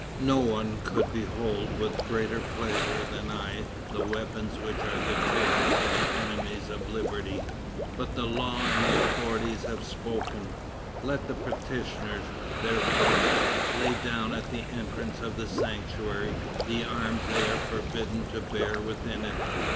No one could behold with greater pleasure than I the weapons which are a terror to the enemies of liberty; but the law and the authorities have spoken. Let the petitioners, therefore, lay down at the entrance of the sanctuary the arms they are forbidden to bear within it.